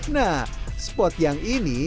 nah spot yang ini